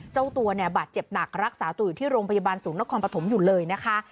เจ้าตัวเนี่ยบาดเจ็บหนักรักษาตัวอยู่ที่โรงพยาบาลสูงนครปฐมอยู่เลยนะคะ